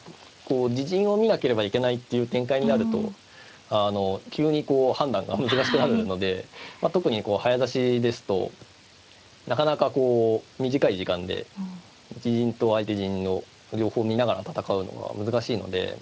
自陣を見なければいけないっていう展開になるとあの急にこう判断が難しくなるので特に早指しですとなかなかこう短い時間で自陣と相手陣の両方見ながら戦うのは難しいので。